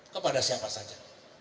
kepada siapa saja